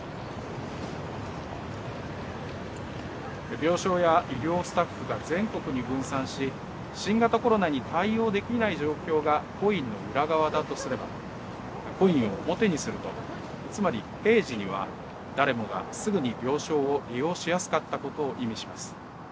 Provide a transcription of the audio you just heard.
病床や医療スタッフが全国に分散し新型コロナに対応できない状況がコインの裏側だとすればコインを表にするとつまり平時には誰もがすぐに病床を利用しやすかったことを意味します。